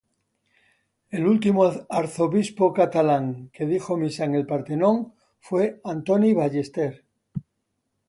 El último arzobispo catalán que dijo misa en el Partenón fue Antoni Ballester.